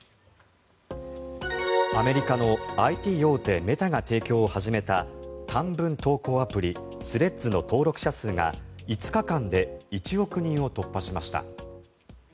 アメリカのＩＴ大手メタが提供を始めた短文投稿アプリスレッズの登録者数が５日間で１億人を突破しました。